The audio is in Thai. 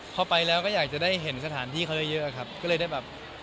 พอไปแล้วก็อยากจะได้เห็นสถานที่เขาเยอะครับก็เลยได้แบบ